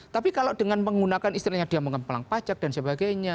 tapi kalau dengan menggunakan istilahnya dia mengepelang pajak dan sebagainya